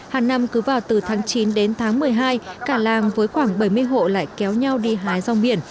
hàng năm cứ vào từ tháng chín đến tháng một mươi hai cả làng với khoảng bảy mươi hộ lại kéo nhau đi hái rong biển